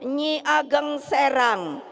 nyi ageng serang